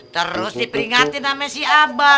terus diperingatin namanya si abah